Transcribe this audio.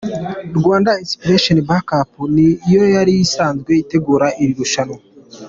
Rwanda Inspiration Back Up ni yo yari isanzwe itegura iri rushanwa.